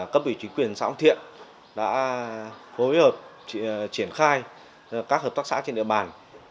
cấp ủy chính quyền xã phương thiện đã phối hợp triển khai các hợp tác xã trên địa bàn